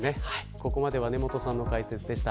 ここまでは根本さんの解説でした。